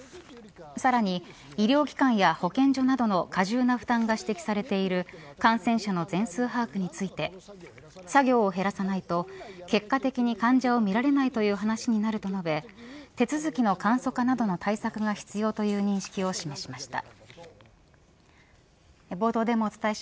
さらに医療機関や保健所などの過重な負担が指摘されている感染者の全数把握について作業を減らさないと結果的に患者を診られないという話になると述べ手続きの簡素化などの対策が必要という認識を示しました。